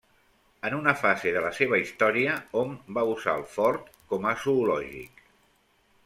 En una fase de la seva història hom va usar el fort com a zoològic.